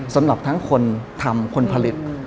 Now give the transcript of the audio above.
สำหรับทั้งคนทำคนผลิต